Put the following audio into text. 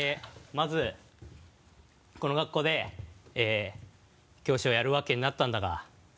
まずこの学校で教師をやるわけになったんだが。